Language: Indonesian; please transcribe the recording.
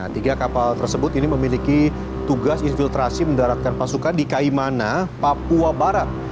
tiga kapal tersebut ini memiliki tugas infiltrasi mendaratkan pasukan di kaimana papua barat